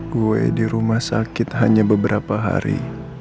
gue di rumah sakit hanya beberapa hari